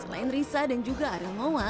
selain risa dan juga ariel moa